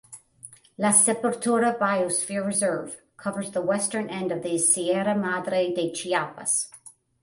La Sepultura Biosphere Reserve covers the western end of the Sierra Madre de Chiapas.